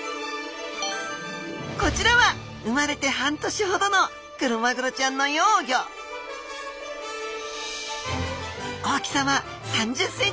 こちらは生まれて半年ほどのクロマグロちゃんの幼魚大きさは３０ｃｍほど。